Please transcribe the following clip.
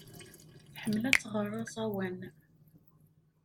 Tḥemmel ad tɣer aẓawan.